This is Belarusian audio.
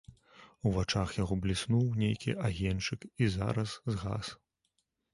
У вачах яго бліснуў нейкі агеньчык і зараз згас.